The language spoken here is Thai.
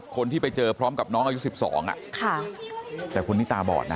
คนที่ไปเจอเพราะมีอายุสี่สองนะครับแต่คนนี้ตาบอดนะ